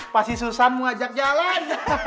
pasti susana mau ajak jalan